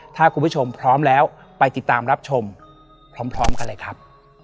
ถ้าคุณผู้ชมพร้อมแล้วไปติดตามรับชมพร้อมกันเลยครับ